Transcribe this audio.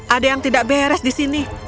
ada yang tidak beres di sini